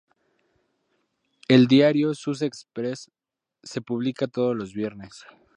El diario Sussex Express se publica todos los viernes.